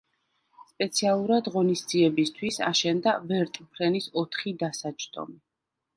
სპეციალურად ღონისძიებისთვის, აშენდა ვერტმფრენის ოთხი დასაჯდომი.